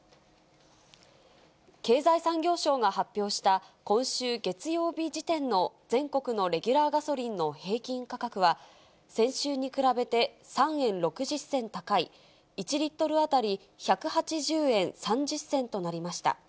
経済産業省が発表した今週月曜日時点の全国のレギュラーガソリンの平均価格は、先週に比べて３円６０銭高い１リットル当たり１８０円３０銭となりました。